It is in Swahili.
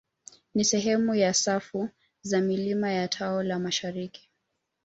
Ni sehemu ya safu za milima ya tao la mashariki